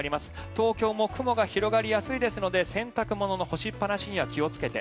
東京も雲が広がりやすいですので洗濯物の干しっぱなしには気をつけて。